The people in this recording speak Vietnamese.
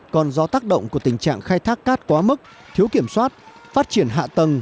còn do tác động của tình trạng khai thác cát quá mức thiếu kiểm soát phát triển hạ tầng